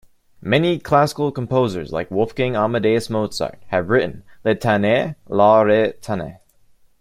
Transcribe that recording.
Many classical composers, like Wolfgang Amadeus Mozart have written "Litaniae lauretanae".